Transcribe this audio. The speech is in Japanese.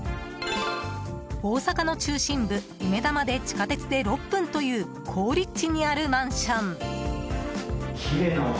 大阪の中心部梅田まで地下鉄で６分という好立地にあるマンション。